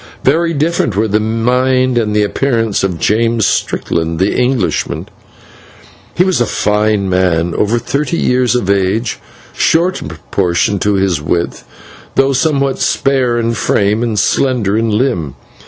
Very different were the mind and appearance of James Strickland, the Englishman. He was a fine man, over thirty years of age, short in proportion to his width, though somewhat spare in frame and slender in limb.